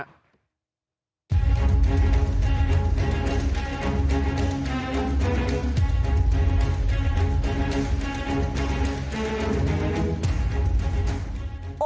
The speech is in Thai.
โน้ท